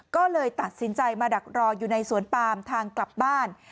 ก็เลยตัดสินใจมาดักรออยู่ในสวนปามทางกลับบ้าน